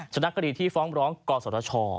ชนักกรีศที่ฟ้องบร้องกสตช